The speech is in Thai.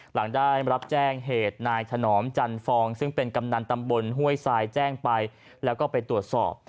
หลังได้รับแจ้งเหตุนายถนอมจันฟองซึ่งเป็นกำนันตำบลห้วยทรายแจ้งไปแล้วก็ไปตรวจสอบ